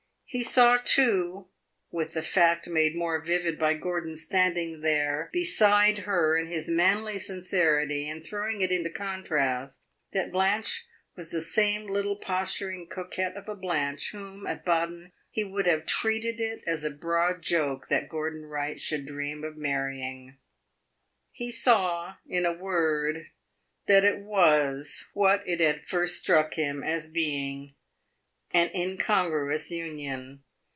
He saw, too with the fact made more vivid by Gordon's standing there beside her in his manly sincerity and throwing it into contrast that Blanche was the same little posturing coquette of a Blanche whom, at Baden, he would have treated it as a broad joke that Gordon Wright should dream of marrying. He saw, in a word, that it was what it had first struck him as being an incongruous union.